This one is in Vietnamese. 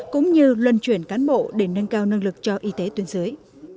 cũng như luân chuyển cán bộ để nâng cao năng lực cho y tế tuyên dưới